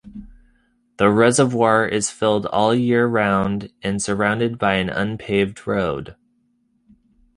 The reservoir is filled all year round and surrounded by an unpaved road.